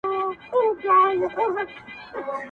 o په يوه ماهي ټوله تالاو مردارېږي.